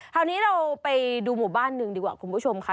คราวนี้เราไปดูหมู่บ้านหนึ่งดีกว่าคุณผู้ชมค่ะ